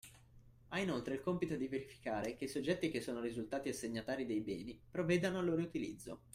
Ha inoltre il compito di verificare che i soggetti che sono risultati assegnatari dei beni, provvedano al loro utilizzo